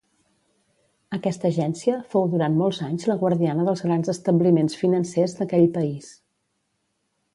Aquesta agència fou durant molts anys la guardiana dels grans establiments financers d'aquell país.